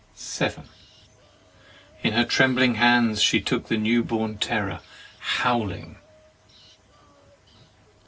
In her trembling hands she took the new born terror, howling.